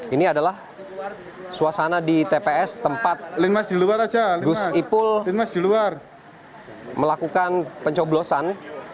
ini adalah suasana di tps tempat gus ipul melakukan pencoblosan